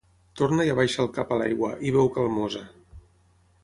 Torna i abaixa el cap a l'aigua, i beu calmosa.